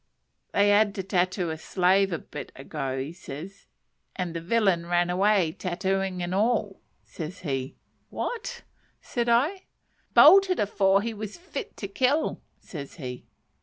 "They had to tattoo a slave a bit ago," says he, "and the villain ran away, tattooin' and all!" says he. "What?" said I. "Bolted afore he was fit to kill," says he.